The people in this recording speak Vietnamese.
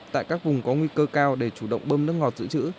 tại các vùng có nguy cơ cao để chủ động bơm nước ngọt giữ chữ